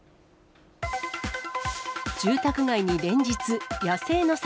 住宅街に連日、野生の猿。